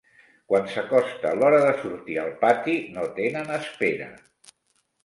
Quan s'acosta l'hora de sortir al pati, no tenen espera.